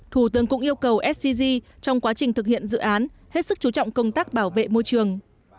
thủ tướng cũng yêu cầu scg trong quá trình thực hiện dự án hết sức chú trọng công tác bảo vệ môi trường